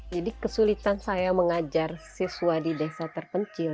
jadi kesulitan saya mengajar siswa di desa terpencil